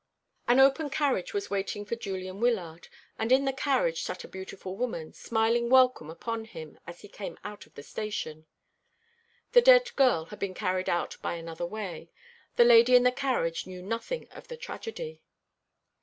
An open carriage was waiting for Julian Wyllard, and in the carriage sat a beautiful woman, smiling welcome upon him as he came out of the station. The dead girl had been carried out by another way. The lady in the carriage knew nothing of the tragedy.